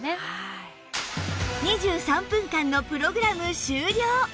２３分間のプログラム終了